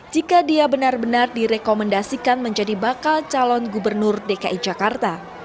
jika dia benar benar direkomendasikan menjadi bakal calon gubernur dki jakarta